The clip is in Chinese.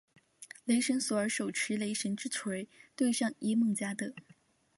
雷神索尔手持雷神之锤对上耶梦加得。